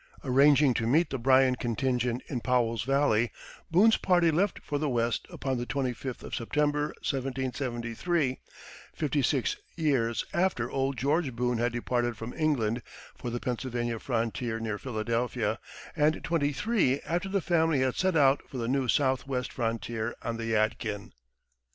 Arranging to meet the Bryan contingent in Powell's Valley, Boone's party left for the West upon the twenty fifth of September, 1773 fifty six years after old George Boone had departed from England for the Pennsylvania frontier near Philadelphia, and twenty three after the family had set out for the new southwest frontier on the Yadkin.